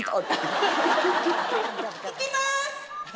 いきます！